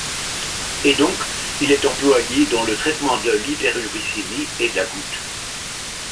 Et donc, il est employé dans le traitement de l'hyperuricémie et de la goutte.